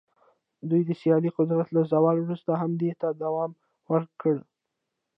دوی د سیاسي قدرت له زوال وروسته هم دې ته ادامه ورکړه.